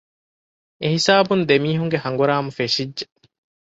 އެހިސާބުން ދެމީހުންގެ ހަނގުރާމަ ފެށިއްޖެ